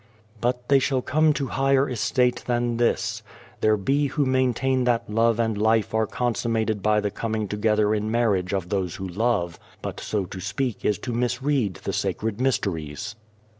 But they shall come to higher estate than this. There be who maintain that love and life are consummated by the coming together in marriage of those who love ; but so to speak is to misread the sacred mysteries.